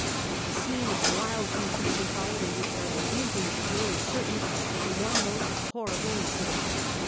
A scene of wild confusion followed, in which hardly anything is clear and certain but the one most horrible incident.